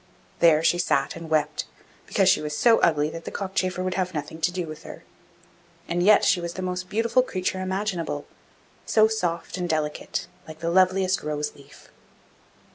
There she sat and wept, because she was so ugly that the cockchafer would have nothing to do with her; and yet she was the most beautiful creature imaginable, so soft and delicate, like the loveliest rose leaf.